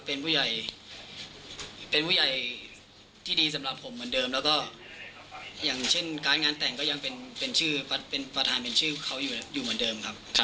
เป็นผู้ใหญ่เป็นผู้ใหญ่ที่ดีสำหรับผมเหมือนเดิมแล้วก็อย่างเช่นการ์ดงานแต่งก็ยังเป็นชื่อเป็นประธานเป็นชื่อเขาอยู่เหมือนเดิมครับ